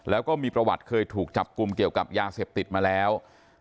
แล้วก็มีประวัติเคยถูกจับกลุ่มเกี่ยวกับยาเสพติดมาแล้ว